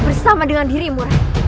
bersama dengan dirimu